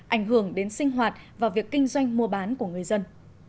ảnh hưởng đến sinh hoạt và việc kinh doanh mua bán của người dân